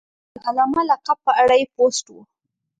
د علامه لقب په اړه یې پوسټ و.